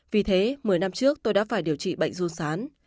vì thế một mươi năm trước tôi đã phải điều trị bệnh run sán